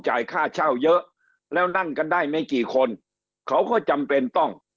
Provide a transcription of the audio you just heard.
ค่าเช่าเยอะแล้วนั่งกันได้ไม่กี่คนเขาก็จำเป็นต้อง